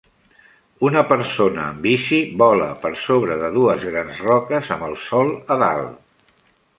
Una persona en bici vola per sobre de dues grans roques amb el sol a dalt